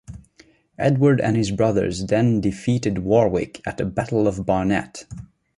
Edward and his brothers then defeated Warwick at the Battle of Barnet.